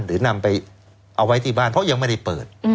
หรือนำไปเอาไว้ที่บ้านเพราะยังไม่ได้เปิด